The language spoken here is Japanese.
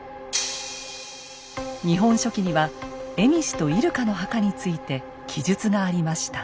「日本書紀」には蝦夷と入鹿の墓について記述がありました。